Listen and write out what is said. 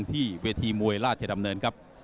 ที่เวทีมวยราชดำเนินครับ